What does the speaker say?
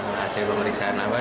hasil pemeriksaan apa